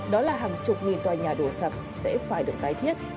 đó là hàng chục nghìn tòa nhà đổ sập sẽ phải được tái thiết